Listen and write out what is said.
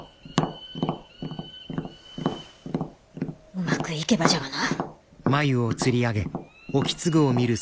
うまくいけばじゃがな！